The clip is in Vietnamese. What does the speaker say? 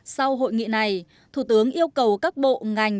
sau hội nghị này thủ tướng yêu cầu các bộ ngành